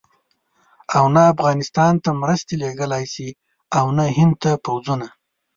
او نه افغانستان ته مرستې لېږلای شي او نه هند ته پوځونه.